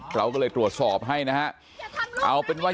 เราก็เลยตรวจสอบให้นะฮะเอาเป็นว่า